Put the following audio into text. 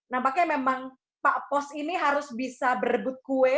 nampaknya memang pak pos ini harus bisa berebut kue